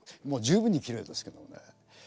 もう十分にきれいですけどもね。